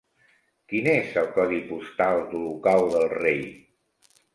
Quin és el codi postal d'Olocau del Rei?